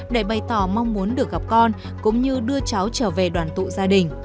để bày tỏ mong muốn được gặp con cũng như đưa cháu trở về đoàn tụ gia đình